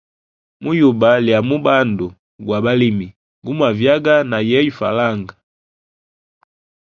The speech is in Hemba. Mu yuba lya mubandu gwa balimi, gu muvyaga na yeyo falanga.